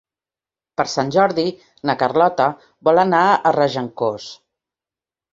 Per Sant Jordi na Carlota vol anar a Regencós.